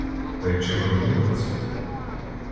Та й чи важливе це?